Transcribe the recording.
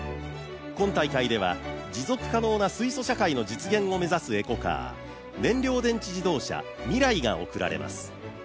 今大会では、持続可能な水素社会の実現を目指すエコカー燃料電池自動車、ＭＩＲＡＩが贈られます。